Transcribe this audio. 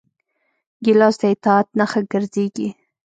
ګیلاس د اطاعت نښه ګرځېږي.